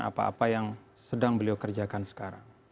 apa apa yang sedang beliau kerjakan sekarang